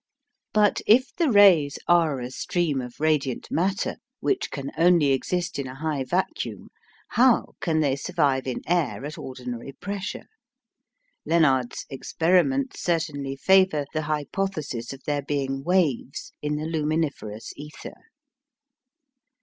But if the rays are a stream of radiant matter which can only exist in a high vacuum, how can they survive in air at ordinary pressure? Lenard's experiments certainly favour the hypothesis of their being waves in the luminiferous ether.